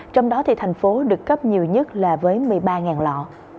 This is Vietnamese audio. trong đó thì thành phố được cấp nhiều nhất là với một mươi ba lọ